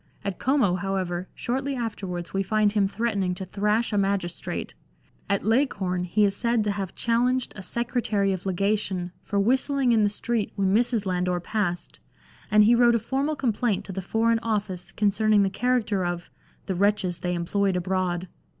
At Como, however, shortly afterwards we find him threatening to thrash a magistrate. At Leghorn he is said to have challenged a secretary of legation for whistling in the street when Mrs. Landor passed, and he wrote a formal complaint to the Foreign Office concerning the character of " the wretches they employed abroad."